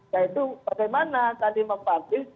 yaitu bagaimana tadi mempapir